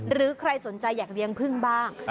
หรือใครสนใจอยากเลี้ยงพึ่งบ้าง